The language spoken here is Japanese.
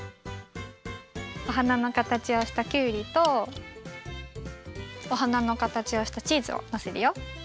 おはなのかたちをしたきゅうりとおはなのかたちをしたチーズをのせるよ。